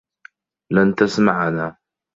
لن تسمعنا.